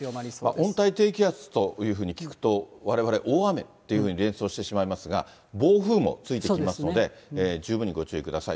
温帯低気圧というふうに聞くと、われわれ、大雨というふうに連想してしまいますが、暴風もついてきますので、十分にご注意ください。